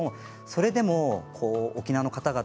それでも沖縄の方々